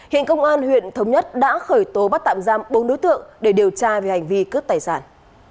hiện công an huyện thống nhất đã khởi tố bắt tạm giam bốn đối tượng để điều tra về hành vi cướp tài sản